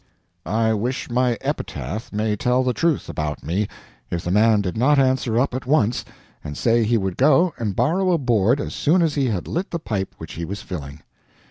I wish my epitaph may tell the truth about me if the man did not answer up at once, and say he would go and borrow a board as soon as he had lit the pipe which he was filling.